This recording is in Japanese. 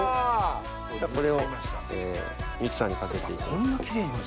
これをミキサーにかけていきます。